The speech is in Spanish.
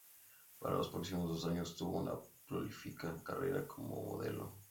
Para los próximos dos años, tuvo una prolífica carrera como modelo.